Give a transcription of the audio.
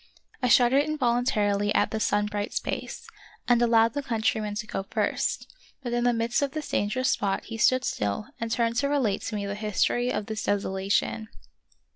I shuddered invol untarily at the sun bright space, and allowed the countryman to go first; but in the midst of this dangerous spot he stood still and turned to relate to me the history of this desolation.